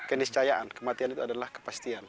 keniscayaan kematian itu adalah kepastian